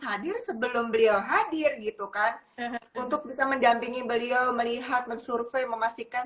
hadir sebelum beliau hadir gitu kan untuk bisa mendampingi beliau melihat mensurvey memastikan